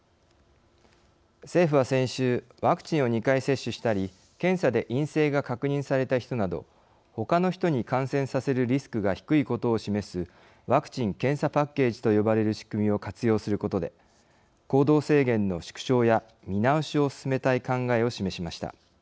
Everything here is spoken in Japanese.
政府は、先週ワクチンを２回接種したり検査で陰性が確認された人などほかの人に感染させるリスクが低いことを示すワクチン・検査パッケージと呼ばれる仕組みを活用することで行動制限の縮小や見直しを進めたい考えを示しました。